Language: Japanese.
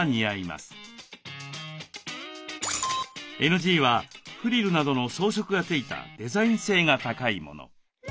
ＮＧはフリルなどの装飾が付いたデザイン性が高いもの。